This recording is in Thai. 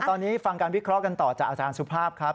ตอนนี้ฟังการวิเคราะห์กันต่อจากอาจารย์สุภาพครับ